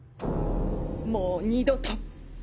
もう二度と